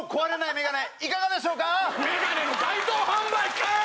眼鏡の街頭販売かい！